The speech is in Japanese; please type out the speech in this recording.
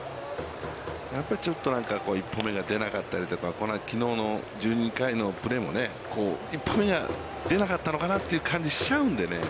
やっぱりちょっと何か、１歩目が出なかったりとか、きのうの１２回のプレーもね、１歩目が出なかったのかなという感じがしちゃうのでね。